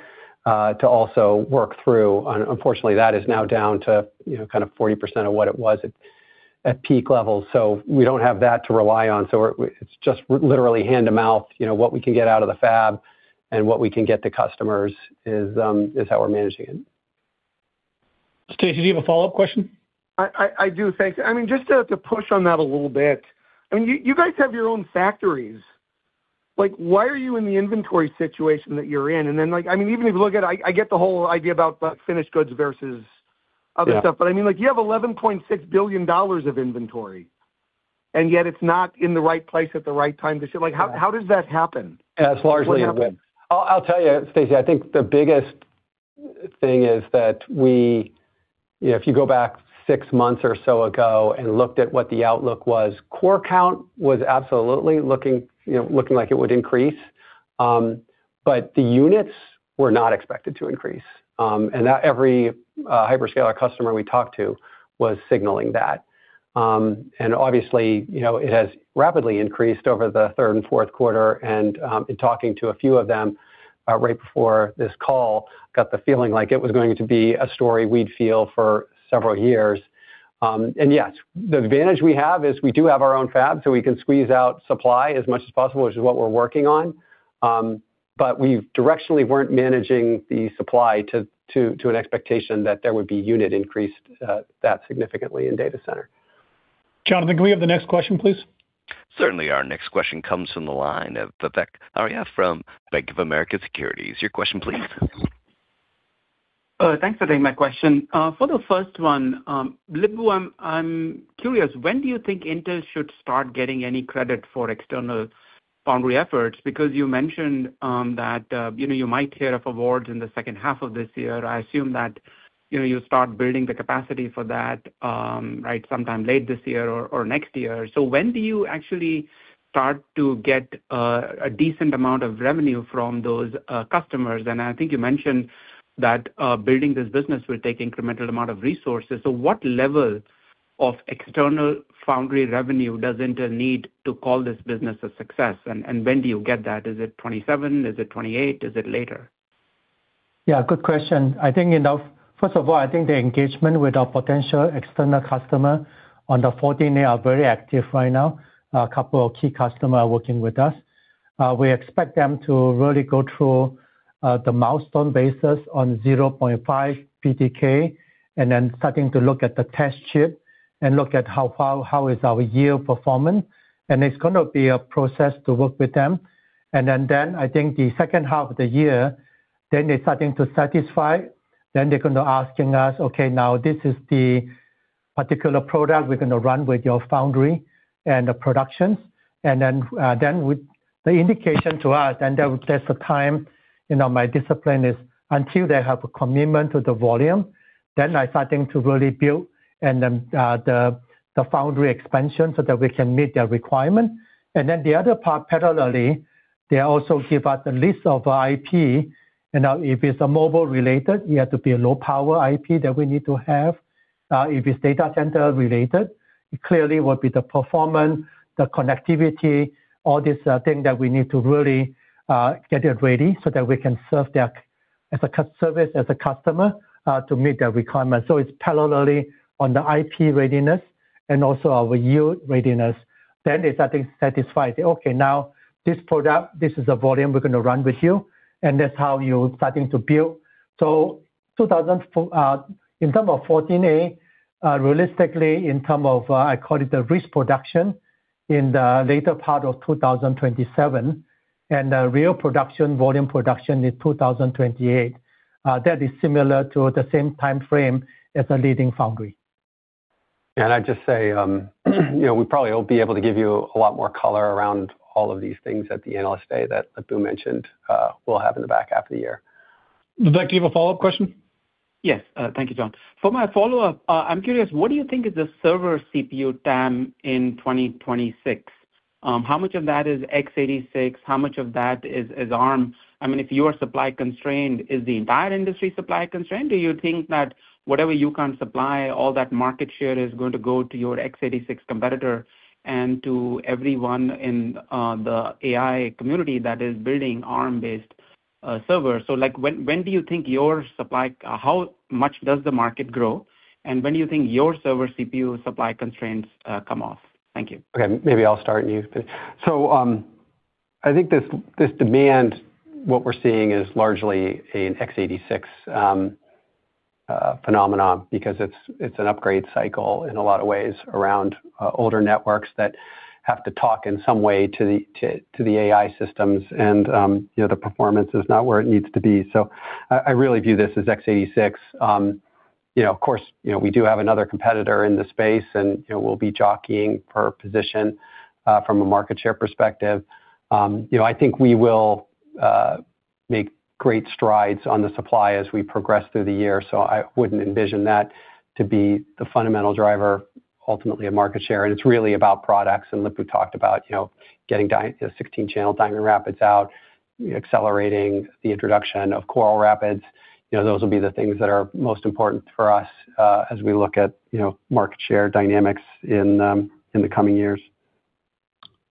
to also work through. Unfortunately, that is now down to kind of 40% of what it was at peak levels. So we don't have that to rely on. So it's just literally hand to mouth what we can get out of the fab and what we can get the customers is how we're managing it. Stacy, do you have a follow-up question? I do, thanks. I mean, just to push on that a little bit. I mean, you guys have your own factories. Why are you in the inventory situation that you're in? And then I mean, even if you look at it, I get the whole idea about finished goods versus other stuff. But I mean, you have $11.6 billion of inventory, and yet it's not in the right place at the right time to ship. How does that happen? That's largely what happens. I'll tell you, Stacy, I think the biggest thing is that if you go back six months or so ago and looked at what the outlook was, core count was absolutely looking like it would increase, but the units were not expected to increase. And every hyperscaler customer we talked to was signaling that. And obviously, it has rapidly increased over the third and fourth quarter. And in talking to a few of them right before this call, I got the feeling like it was going to be a story we'd feel for several years. And yes, the advantage we have is we do have our own fab, so we can squeeze out supply as much as possible, which is what we're working on. But we directionally weren't managing the supply to an expectation that there would be unit increase that significantly in data center. Jonathan, can we have the next question, please? Certainly. Our next question comes from the line of Vivek from Bank of America Securities. Your question, please. Thanks for taking my question. For the first one, Lip-Bu, I'm curious, when do you think Intel should start getting any credit for external foundry efforts? Because you mentioned that you might hear of awards in the second half of this year. I assume that you'll start building the capacity for that, right, sometime late this year or next year. So when do you actually start to get a decent amount of revenue from those customers? And I think you mentioned that building this business will take incremental amount of resources. So what level of external foundry revenue does Intel need to call this business a success? And when do you get that? Is it 2027? Is it 2028? Is it later? Yeah, good question. I think first of all, I think the engagement with our potential external customer on the 14, they are very active right now. A couple of key customers are working with us. We expect them to really go through the milestone basis on 0.5 PDK and then starting to look at the test chip and look at how is our year performance. And it's going to be a process to work with them. And then I think the second half of the year, then they're starting to certify. Then they're going to ask us, "Okay, now this is the particular product we're going to run with your foundry and the productions." And then the indication to us, and that's the time. My discipline is until they have a commitment to the volume, then they're starting to really build and then the foundry expansion so that we can meet their requirement. And then the other part, parallelly, they also give us the list of IP. And now if it's a mobile-related, it has to be a low-power IP that we need to have. If it's data center-related, it clearly will be the performance, the connectivity, all these things that we need to really get it ready so that we can serve that as a service as a customer to meet their requirements. So it's parallelly on the IP readiness and also our yield readiness. Then they starting to certify, "Okay, now this product, this is a volume we're going to run with you, and that's how you're starting to build." So in terms of 14A, realistically, in terms of I call it the risk production in the later part of 2027 and real production, volume production in 2028. That is similar to the same timeframe as a leading foundry. And I'd just say we probably will be able to give you a lot more color around all of these things at the analyst day that Lip-Bu mentioned we'll have in the back half of the year. Vivek, do you have a follow-up question? Yes. Thank you, John. For my follow-up, I'm curious, what do you think is the server CPU TAM in 2026? How much of that is x86? How much of that is Arm? I mean, if you are supply constrained, is the entire industry supply constrained? Do you think that whatever you can't supply, all that market share is going to go to your x86 competitor and to everyone in the AI community that is building Arm-based servers? So when do you think your supply, how much does the market grow? And when do you think your server CPU supply constraints come off? Thank you. Okay. Maybe I'll start and you. So I think this demand, what we're seeing is largely an x86 phenomenon because it's an upgrade cycle in a lot of ways around older networks that have to talk in some way to the AI systems, and the performance is not where it needs to be. So I really view this as x86. Of course, we do have another competitor in the space, and we'll be jockeying for position from a market share perspective. I think we will make great strides on the supply as we progress through the year, so I wouldn't envision that to be the fundamental driver, ultimately of market share, and it's really about products, and Lip-Bu talked about getting 16-channel Diamond Rapids out, accelerating the introduction of Coral Rapids. Those will be the things that are most important for us as we look at market share dynamics in the coming years.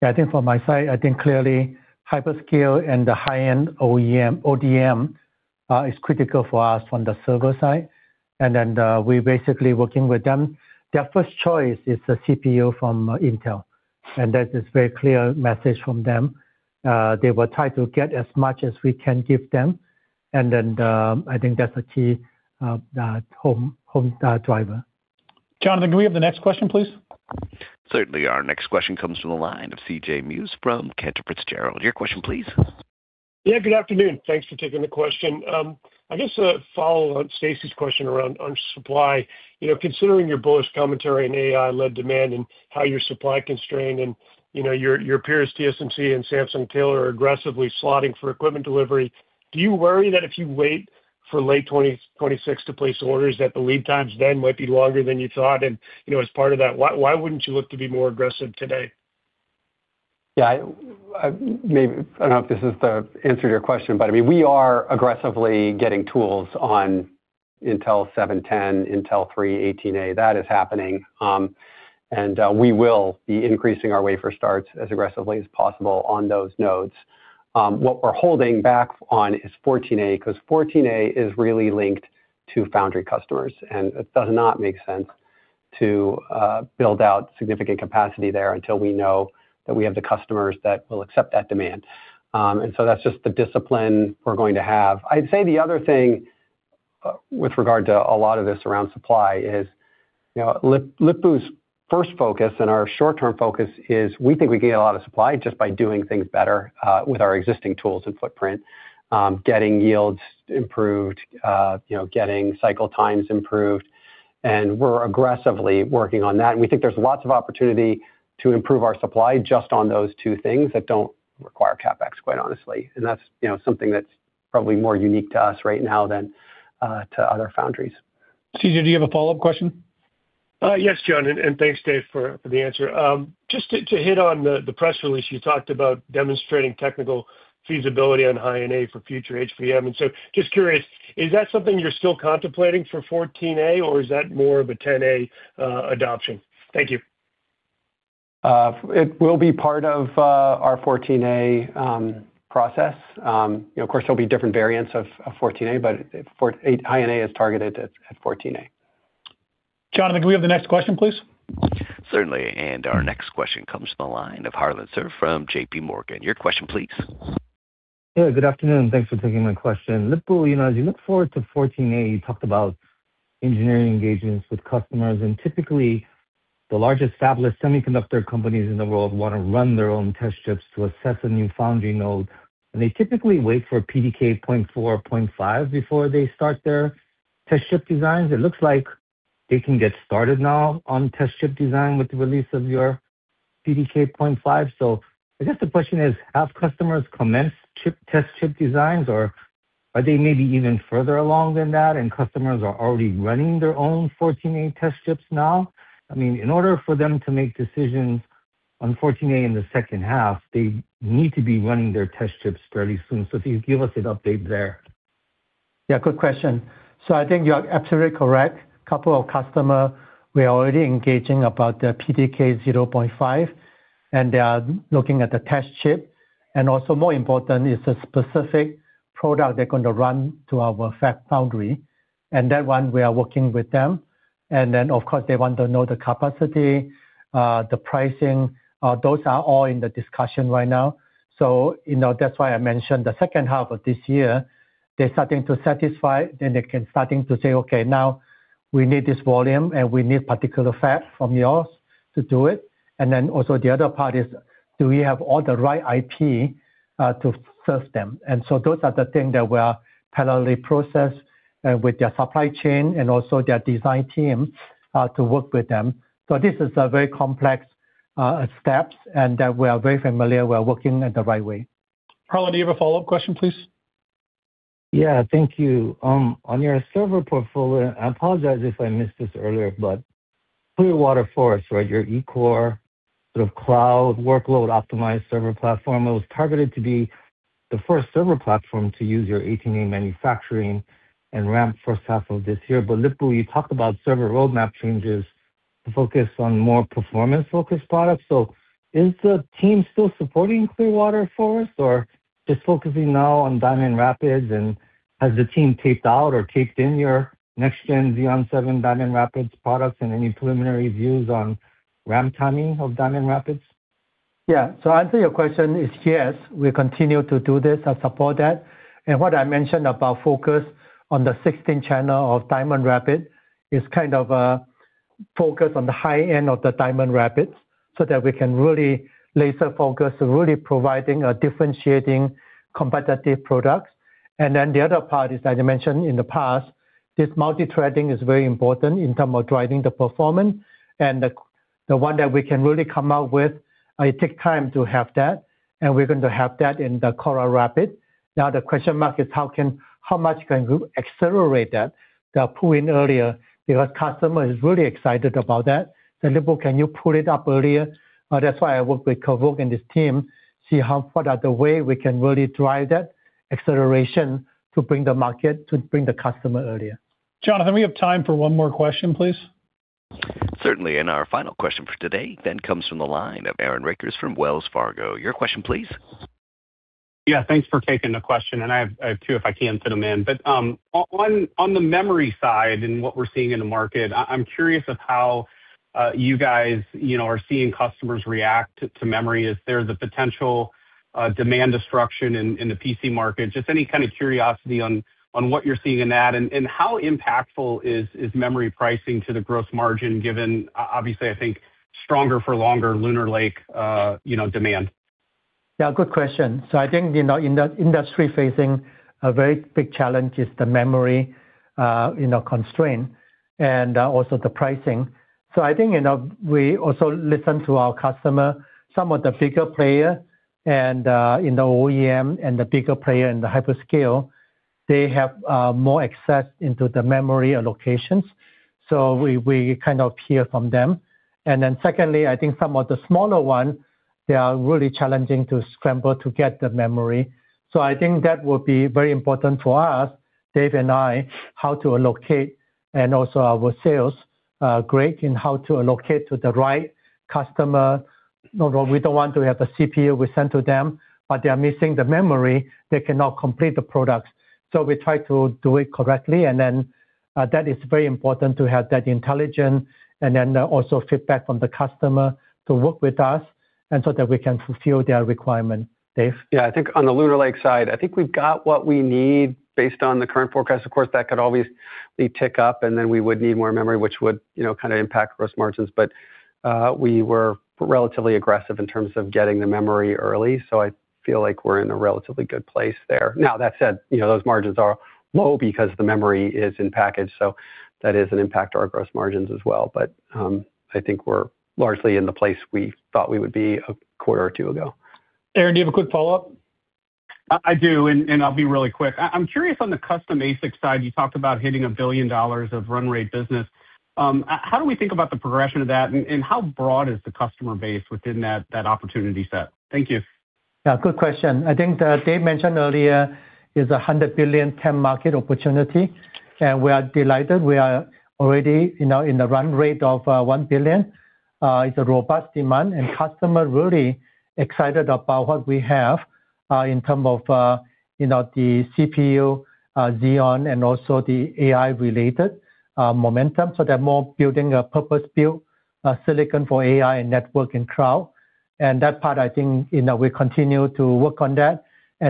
Yeah, I think from my side, I think clearly hyperscale and the high-end ODM is critical for us on the server side, and then we're basically working with them. Their first choice is the CPU from Intel, and that is a very clear message from them. They will try to get as much as we can give them. And then I think that's a key driver. Jonathan, can we have the next question, please? Certainly. Our next question comes from the line of CJ Muse from Cantor Fitzgerald. Your question, please. Yeah, good afternoon. Thanks for taking the question. I guess a follow-up on Stacy's question around supply. Considering your bullish commentary and AI-led demand and how you're supply constrained, and your peers, TSMC and Samsung, are aggressively slotting for equipment delivery, do you worry that if you wait for late 2026 to place orders, that the lead times then might be longer than you thought? And as part of that, why wouldn't you look to be more aggressive today? Yeah. I don't know if this is the answer to your question, but I mean, we are aggressively getting tools on Intel 7/10, Intel 3/18A. That is happening. And we will be increasing our wafer starts as aggressively as possible on those nodes. What we're holding back on is 14A because 14A is really linked to foundry customers. And it does not make sense to build out significant capacity there until we know that we have the customers that will accept that demand. And so that's just the discipline we're going to have. I'd say the other thing with regard to a lot of this around supply is Lip-Bu's first focus and our short-term focus is we think we can get a lot of supply just by doing things better with our existing tools and footprint, getting yields improved, getting cycle times improved. And we're aggressively working on that. And we think there's lots of opportunity to improve our supply just on those two things that don't require CapEx, quite honestly. That's something that's probably more unique to us right now than to other foundries. CJ, do you have a follow-up question? Yes, John. And thanks, Dave, for the answer. Just to hit on the press release, you talked about demonstrating technical feasibility on High-NA for future HBM. And so just curious, is that something you're still contemplating for 14A, or is that more of a 10A adoption? Thank you. It will be part of our 14A process. Of course, there'll be different variants of 14A, but High-NA is targeted at 14A. Jonathan, can we have the next question, please? Certainly. And our next question comes from the line of Harlan Sur from JPMorgan. Your question, please. Hey, good afternoon. Thanks for taking my question. Lip-Bu, as you look forward to 14A, you talked about engineering engagements with customers. Typically, the largest fabless semiconductor companies in the world want to run their own test chips to assess a new foundry node. They typically wait for PDK 0.4, 0.5 before they start their test chip designs. It looks like they can get started now on test chip design with the release of your PDK 0.5. I guess the question is, have customers commenced test chip designs, or are they maybe even further along than that, and customers are already running their own 14A test chips now? I mean, in order for them to make decisions on 14A in the second half, they need to be running their test chips fairly soon. If you could give us an update there. Yeah, good question. I think you're absolutely correct. A couple of customers were already engaging about the PDK 0.5, and they are looking at the test chip, and also, more importantly, it's a specific product they're going to run to our fab foundry, and that one, we are working with them, and then, of course, they want to know the capacity, the pricing, those are all in the discussion right now, so that's why I mentioned the second half of this year, they're starting to satisfy, then they're starting to say, "Okay, now we need this volume, and we need particular fab from yours to do it," and then also the other part is, do we have all the right IP to serve them, and so those are the things that we're parallelly processing with their supply chain and also their design team to work with them. So this is a very complex step, and we are very familiar. We're working in the right way. Harlan, do you have a follow-up question, please? Yeah, thank you. On your server portfolio, I apologize if I missed this earlier, but Clearwater Forest, right, your E-core sort of cloud workload optimized server platform, it was targeted to be the first server platform to use your 18A manufacturing and ramp first half of this year. But Lip-Bu, you talked about server roadmap changes to focus on more performance-focused products. So is the team still supporting Clearwater Forest, or just focusing now on Diamond Rapids? And has the team taped out or taped in your next-gen Xeon 7 Diamond Rapids products and any preliminary views on ramp timing of Diamond Rapids? Yeah. So answering your question is yes, we continue to do this and support that. And what I mentioned about focus on the 16-channel of Diamond Rapids is kind of a focus on the high-end of the Diamond Rapids so that we can really laser focus, really providing a differentiating competitive product. And then the other part is, as I mentioned in the past, this multi-threading is very important in terms of driving the performance. And the one that we can really come out with, it takes time to have that. And we're going to have that in the Coral Rapids. Now the question mark is, how much can we accelerate that? The pulling earlier because customers are really excited about that. So Lip-Bu, can you pull it up earlier? That's why I work with Kevork and his team, see what are the ways we can really drive that acceleration to bring the market, to bring the customer earlier. Jonathan, we have time for one more question, please. Certainly. And our final question for today then comes from the line of Aaron Rakers from Wells Fargo. Your question, please. Yeah, thanks for taking the question. And I have two if I can fit them in. But on the memory side and what we're seeing in the market, I'm curious of how you guys are seeing customers react to memory. Is there the potential demand destruction in the PC market? Just any kind of curiosity on what you're seeing in that. And how impactful is memory pricing to the gross margin given, obviously, I think, stronger-for-longer Lunar Lake demand? Yeah, good question. So I think in the industry facing a very big challenge is the memory constraint and also the pricing. So I think we also listen to our customers. Some of the bigger players and the OEM and the bigger player in the hyperscale, they have more access into the memory allocations. So we kind of hear from them. And then secondly, I think some of the smaller ones, they are really challenging to scramble to get the memory. So I think that will be very important for us, Dave and I, how to allocate and also our sales grid and how to allocate to the right customer. We don't want to have a CPU we send to them, but they are missing the memory. They cannot complete the products. So we try to do it correctly. And then that is very important to have that intelligence and then also feedback from the customer to work with us so that we can fulfill their requirement, Dave. Yeah, I think on the Lunar Lake side, I think we've got what we need based on the current forecast. Of course, that could always be ticked up, and then we would need more memory, which would kind of impact gross margins. But we were relatively aggressive in terms of getting the memory early. So I feel like we're in a relatively good place there. Now, that said, those margins are low because the memory is in package. So that doesn't impact our gross margins as well. But I think we're largely in the place we thought we would be a quarter or two ago. Aaron, do you have a quick follow-up? I do. And I'll be really quick. I'm curious on the custom ASIC side. You talked about hitting $1 billion of run rate business. How do we think about the progression of that? How broad is the customer base within that opportunity set? Thank you. Yeah, good question. I think Dave mentioned earlier is a $100 billion TAM market opportunity. We are delighted. We are already in the run rate of $1 billion. It's a robust demand. Customers are really excited about what we have in terms of the CPU, Xeon, and also the AI-related momentum. They're more building a purpose-built silicon for AI and network and cloud. That part, I think we continue to work on that.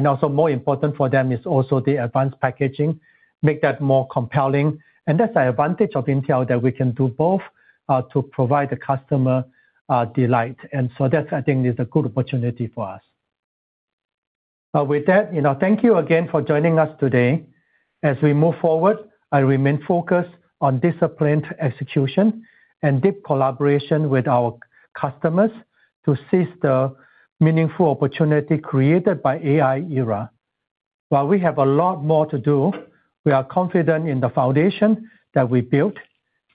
Also more important for them is also the advanced packaging, make that more compelling. That's an advantage of Intel that we can do both to provide the customer delight. That's, I think, a good opportunity for us. With that, thank you again for joining us today. As we move forward, I remain focused on disciplined execution and deep collaboration with our customers to seize the meaningful opportunity created by AI era. While we have a lot more to do, we are confident in the foundation that we built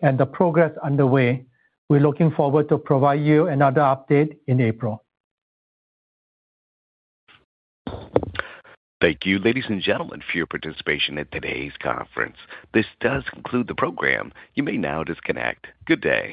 and the progress underway. We're looking forward to provide you another update in April. Thank you, ladies and gentlemen, for your participation in today's conference. This does conclude the program. You may now disconnect. Good day.